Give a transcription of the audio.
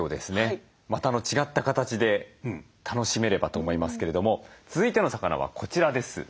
また違った形で楽しめればと思いますけれども続いての魚はこちらです。